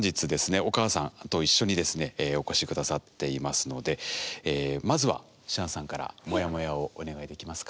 お母さんと一緒にですねお越し下さっていますのでまずはシアンさんからモヤモヤをお願いできますか。